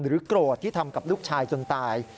โกรธที่ทำกับลูกชายจนตาย